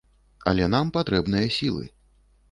Але нам патрэбныя сілы.